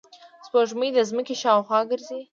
سپوږمۍ د ځمکې شاوخوا ګرځي